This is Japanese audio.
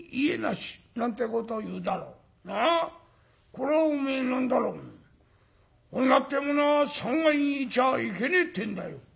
これはおめえ何だろ女ってえものは３階にいちゃいけねえってんだよ」。